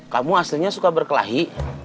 kamu aslinya suka berkelahi